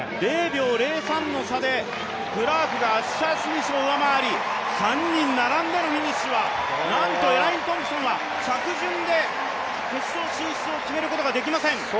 ０秒０３の差でクラークがアッシャー・スミスを上回り３人並んでのフィニッシュはなんとエライン・トンプソンは着順で決勝進出を決めることができません。